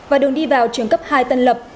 và đường đi vào trường cấp hai tân lập